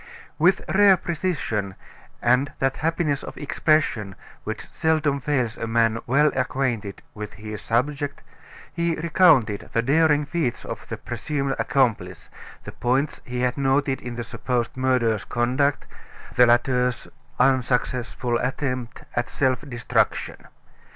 With rare precision and that happiness of expression which seldom fails a man well acquainted with his subject, he recounted the daring feats of the presumed accomplice, the points he had noted in the supposed murderer's conduct, the latter's unsuccessful attempt at self destruction.